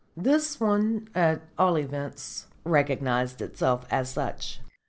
This one, at all events, recognised itself as such."